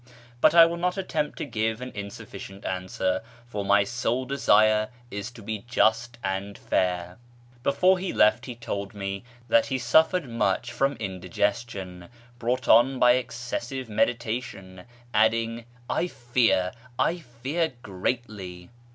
But I will not attempt to give an insufficient answer, for my sole desire is to be just and fair." Before he left he told me that he suffered much from KIRMAn SOCIE TV 471 indigestion, brought on by excessive meditation, adding, " I fear, I fear greatly."